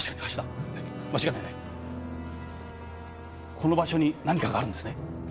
この場所に何かがあるんですね？